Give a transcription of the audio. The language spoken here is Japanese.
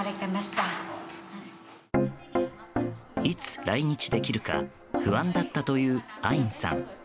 いつ来日できるか不安だったというアインさん。